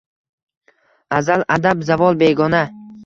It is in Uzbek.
Аzal adab zavol begona!